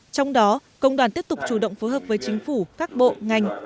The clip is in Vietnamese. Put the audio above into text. trong đó công đoàn tiếp tục chủ động phối hợp với chính phủ các bộ ngành